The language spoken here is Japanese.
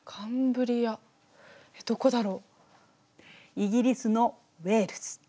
イギリスのウェールズ。